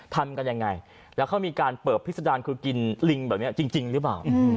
ทำกันยังไงแล้วเขามีการเปิดพิษดารคือกินลิงแบบนี้จริงหรือเปล่า